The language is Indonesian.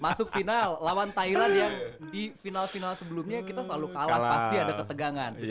masuk final lawan thailand yang di final final sebelumnya kita selalu kalah pasti ada ketegangan